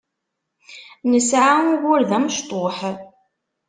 Nesεa ugur d amecṭuḥ.